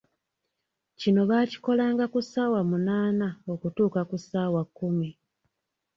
Kino baakikolanga ku ssaawa munaana okutuuka ku ssaawa kkumi.